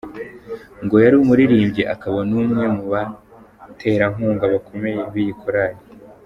Ngo yari umuririmbyi akaba n’umwe mu baterankunga bakomeye b’iyi korali.